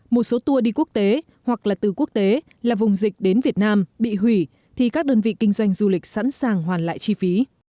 một số tour đi quốc tế hoặc là từ quốc tế là vùng dịch đến việt nam bị hủy thì các đơn vị kinh doanh du lịch sẵn sàng hoàn lại chi phí